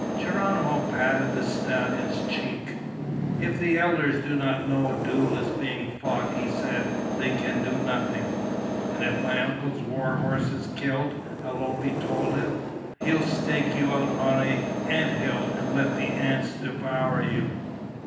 Geronimo patted the stallion's cheek. "If the elders do not know a duel is being fought," he said, "they can do nothing." "And if my uncle's war horse is killed," Alope told him, "he'll stake you out on an ant hill and let the ants devour you."